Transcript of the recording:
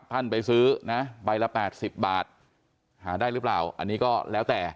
ท่านไปซื้อนะใบละแปดสิบบาทหาได้รึเปล่าอันนี้ก็แล้วแต่